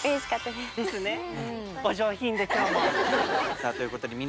さあということでえ？